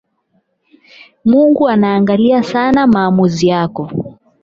Mungu anaangalia sana maamuzi yako.